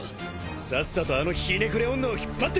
さっさとあのひねくれ女を引っ張ってこい！